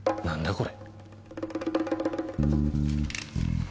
これ。